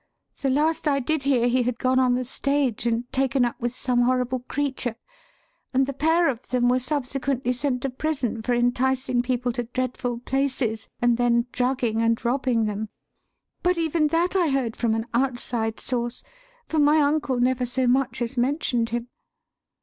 The last I did hear, he had gone on the stage and taken up with some horrible creature, and the pair of them were subsequently sent to prison for enticing people to dreadful places and then drugging and robbing them. But even that I heard from an outside source; for my uncle never so much as mentioned him.